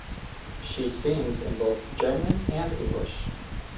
She sings in both German and English.